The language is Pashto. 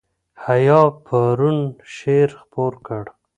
حیا پرون شعر خپور کړ.